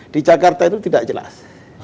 di jakarta itu tidak jelas